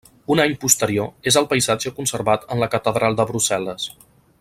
Un any posterior és el paisatge conservat en la catedral de Brussel·les.